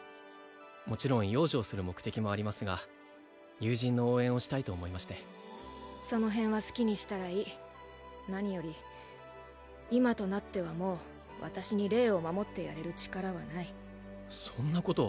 もちろん養生する目的もありますが友人の応援をしたいと思いましてその辺は好きにしたらいい何より今となってはもう私にレイを守ってやれる力はないそんなことは